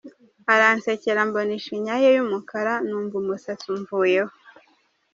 Aransekera mbona ishinya ye y’umukara numva umusatsi umvuyeho.